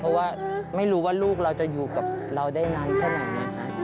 เพราะว่าไม่รู้ว่าลูกเราจะอยู่กับเราได้นานแค่ไหน